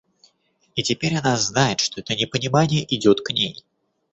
И теперь она знает, что это непонимание идет к ней.